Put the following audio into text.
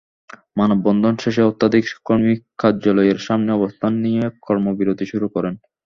মানববন্ধন শেষে শতাধিক কর্মী কার্যালয়ের সামনে অবস্থান নিয়ে কর্মবিরতি শুরু করেন।